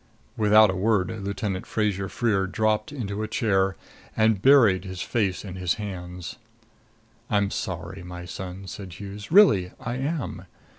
Without a word Lieutenant Fraser Freer dropped into a chair and buried his face in his hands. "I'm sorry, my son," said Hughes. "Really, I am.